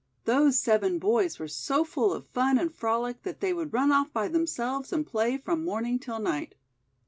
Those seven boys were so full of fun and frolic that they would run off by themselves and play from morning till night.